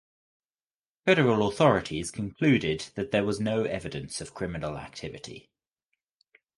Federal authorities concluded that there was no evidence of criminal activity.